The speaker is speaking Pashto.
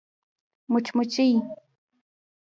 🐝 مچمچۍ